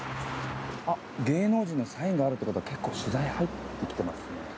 あっ芸能人のサインがあるっていうことは結構取材入ってきてますね。